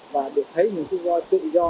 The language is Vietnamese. và được thấy những chiếc voi tự do